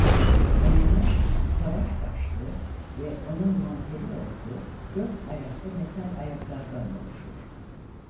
Mayınlar savaş başlığı ve onun monteli olduğu dört ayaklı metal ayaklardan oluşur.